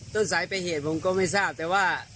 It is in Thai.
ต้นสายไปเหตุผมก็ไม่ทราบแต่ว่า